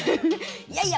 いやいや。